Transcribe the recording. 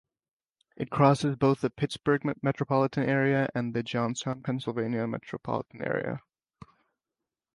It crosses both the Pittsburgh metropolitan area and the Johnstown, Pennsylvania metropolitan area.